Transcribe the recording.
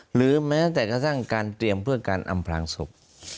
หรือแม้แต่กระทั่งการเตรียมเพื่อการอำพลางศพ